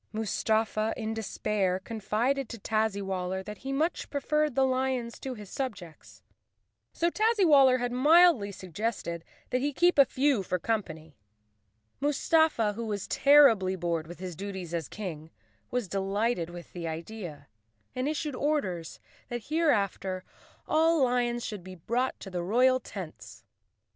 Mustafa, in despair, confided to Tazzywaller that he much preferred the lions to his subjects. So Tazzy¬ waller had mildly suggested that he keep a few for company. Mustafa, who was terribly bored with his duties as King, was delighted with the idea and issued orders that hereafter all lions should be brought to the royal tents.